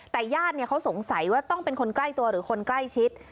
แต่ญาติเขาสงสัยว่าต้องเป็นคนใกล้ตัวหรือคนใกล้ชิด